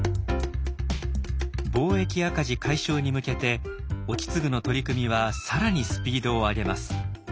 貿易赤字解消に向けて意次の取り組みは更にスピードを上げます。